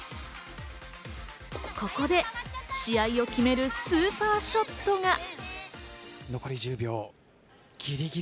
ここで試合を決めるスーパーショットが！